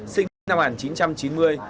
sinh năm một nghìn chín trăm chín mươi